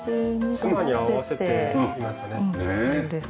妻に合わせていますね。